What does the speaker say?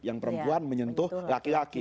yang perempuan menyentuh laki laki